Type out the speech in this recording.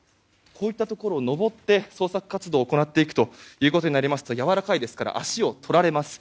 こういったところを登って捜索活動を行っていくことになりますとやわらかいですから足を取られます。